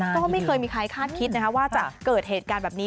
ก็ไม่เคยมีใครคาดคิดว่าจะเกิดเหตุการณ์แบบนี้